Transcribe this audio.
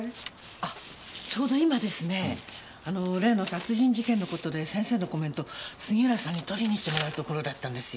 あちょうど今ですねあの例の殺人事件の事で先生のコメント杉浦さんに取りに行ってもらうところだったんですよ。